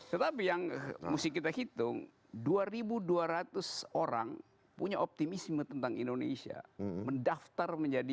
tetapi yang mesti kita hitung dua dua ratus orang punya optimisme tentang indonesia mendaftar menjadi